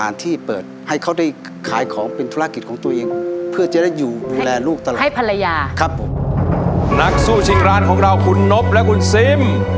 นักสู้ชิงร้านของเราคุณนบและคุณซิม